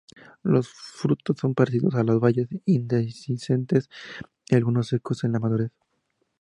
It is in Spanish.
Los frutos son parecidos a las bayas, indehiscentes y algunos secos en la madurez.